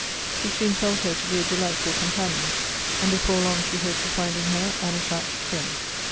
She soon felt her to be a delightful companion, and before long she hoped to find in her an attached friend.